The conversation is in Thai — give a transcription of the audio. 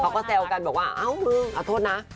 เขาก็แซวกันแบบว่าเอ้ามึงอาทธนา